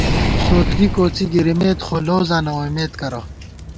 سودگی کوڅی گِرِمېت، خو لوزاں نہ ووئیمېت کرہ